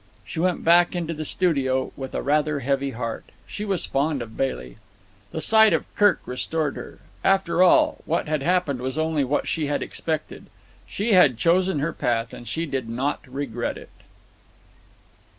She went back into the studio with a rather heavy heart. She was fond of Bailey. The sight of Kirk restored her. After all, what had happened was only what she had expected. She had chosen her path, and she did not regret it.